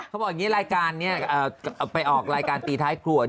เขาบอกอย่างนี้รายการนี้ไปออกรายการตีท้ายครัว